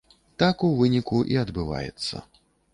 Так у выніку і адбываецца.